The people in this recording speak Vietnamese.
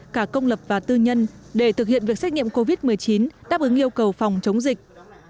cả công lập và tư nhân để thực hiện việc xét nghiệm covid một mươi chín đáp ứng yêu cầu phòng chống dịch